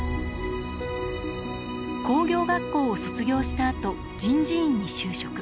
工業学校を卒業したあと人事院に就職。